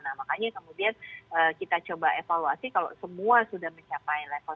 nah makanya kemudian kita coba evaluasi kalau semua sudah mencapai level tiga